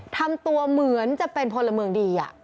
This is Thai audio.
ทำตัวเหมือนจะเป็นพลเมืองดี